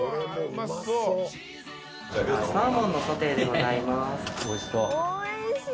サーモンのソテーでございます。